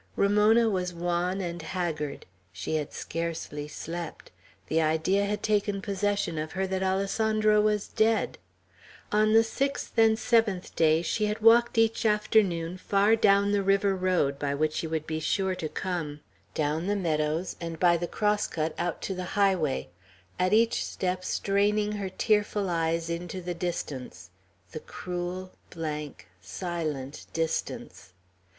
Ramona was wan and haggard. She had scarcely slept. The idea had taken possession of her that Alessandro was dead. On the sixth and seventh days she had walked each afternoon far down the river road, by which he would be sure to come; down the meadows, and by the cross cut, out to the highway; at each step straining her tearful eyes into the distance, the cruel, blank, silent distance.